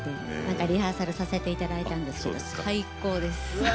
リハーサルさせていただいたんですが最高です。